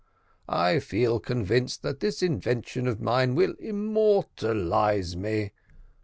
I feel convinced that this invention of mine will immortalise me.